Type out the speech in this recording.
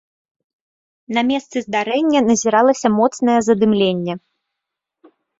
На месцы здарэння назіралася моцнае задымленне.